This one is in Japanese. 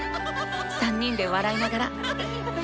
３人で笑いながら。